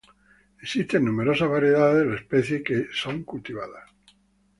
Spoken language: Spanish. Existen numerosas variedades de la especie que son cultivadas.